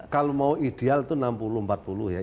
kalau mau ideal itu enam puluh empat puluh ya